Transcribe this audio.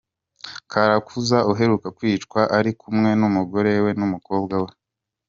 Kararuza uheruka kwicwa ari kumwe n’umugorewe n’umukobwa we